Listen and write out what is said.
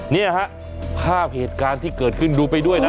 เนี่ยฮะภาพเหตุการณ์ที่เกิดขึ้นดูไปด้วยนะ